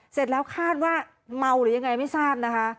เสร็จแล้วคาดว่าเมาหรือยังไงไม่ทราบนะคะ